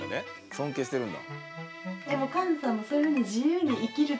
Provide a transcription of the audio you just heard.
尊敬してるんだ。